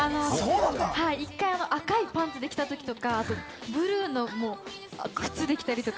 一回、赤いパンツで来たときとか、ブルーの靴で来たとか。